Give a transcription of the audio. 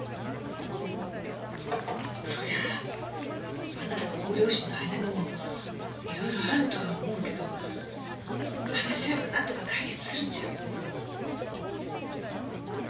そりゃあなたとご両親の間にもいろいろあるとは思うけど話し合えばなんとか解決するんじゃ。